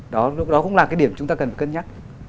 đó cũng là cái điểm chúng ta cần cân nhắc